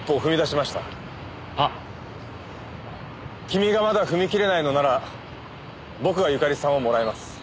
君がまだ踏み切れないのなら僕が由香利さんをもらいます。